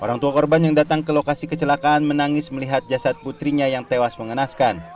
orang tua korban yang datang ke lokasi kecelakaan menangis melihat jasad putrinya yang tewas mengenaskan